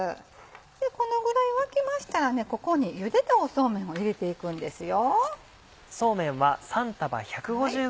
このぐらい沸きましたらここにゆでたそうめんを入れていくんですよ。